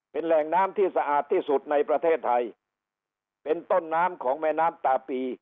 เป็นแหล่งน้ำที่สะอาดที่สุดในประเทศไทยเป็นต้นน้ำของแม่น้ำตาปี